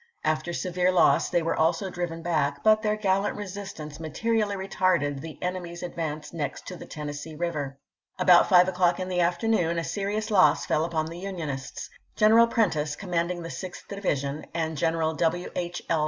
After severe loss they were also driven back, but their gallant resistance materially retarded the enemy's advance next to the Tennessee River. About five o'clock in the afternoon a seri Api. e, 1862. ous loss fell upon the Unionists. General Prentiss, commanding the Sixth Division, and Greneral W. H. L.